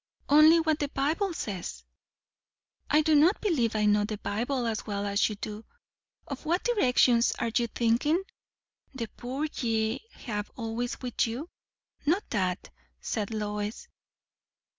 "Only what the Bible says." "I do not believe I know the Bible as well as you do. Of what directions are you thinking? 'The poor ye have always with you'?" "Not that," said Lois.